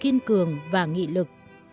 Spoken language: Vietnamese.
thiên cường và nghị lực